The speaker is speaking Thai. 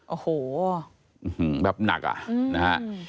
โอ้โหแบบหนักอ่ะนะฮะ